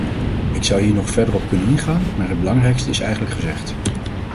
Ik zou hier nog verder op kunnen ingaan, maar het belangrijkste is eigenlijk gezegd.